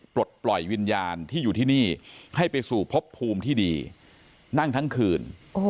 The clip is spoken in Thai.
ปลดปล่อยวิญญาณที่อยู่ที่นี่ให้ไปสู่พบภูมิที่ดีนั่งทั้งคืน